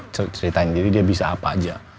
ceritain jadi dia bisa apa aja